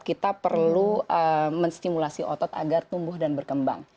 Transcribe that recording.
kita perlu menstimulasi otot agar tumbuh dan berkembang